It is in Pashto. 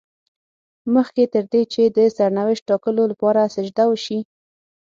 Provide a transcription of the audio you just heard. مخکې تر دې چې د سرنوشت ټاکلو لپاره سجده وشي.